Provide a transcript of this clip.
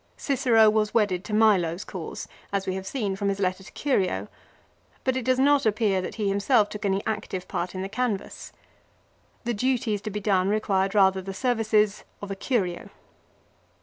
Cicero was wedded to Milo's cause, as we have seen from his letter to Curio, but it does not appear that he himself took any active part in the canvass. The duties to be done required rather the services of a Curio.